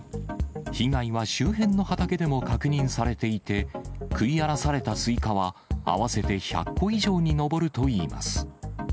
被害は周辺の畑でも確認されていて、食い荒らされたスイカは、合わせて１００個以上に上るといいます。